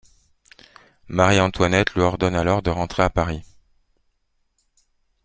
Marie-Antoinette lui ordonne alors de rentrer à Paris.